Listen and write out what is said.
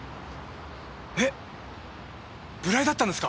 えっブライだったんですか？